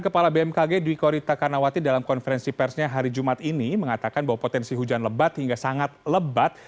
kepala bmkg dwi korita karnawati dalam konferensi persnya hari jumat ini mengatakan bahwa potensi hujan lebat hingga sangat lebat